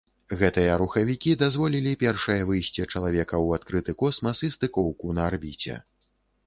Гэтыя рухавікі дазволілі першае выйсце чалавека ў адкрыты космас і стыкоўку на арбіце.